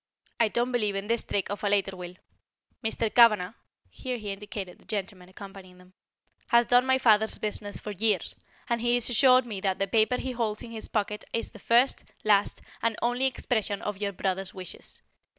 I don't believe in this trick of a later will. Mr. Cavanagh" here he indicated the gentleman accompanying them "has done my father's business for years, and he assured me that the paper he holds in his pocket is the first, last, and only expression of your brother's wishes.